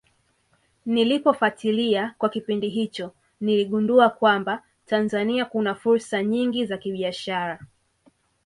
Nilipofatilia kwa kipindi hicho niligundua kwamba Tanzania kuna fursa nyingi za kibiashara